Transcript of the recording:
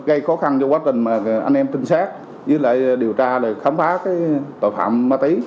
gây khó khăn cho quá trình anh em trinh sát điều tra khám phá tội phạm ma túy